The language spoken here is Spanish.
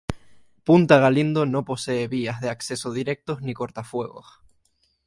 Punta Galindo no posee vías de acceso directos ni cortafuegos.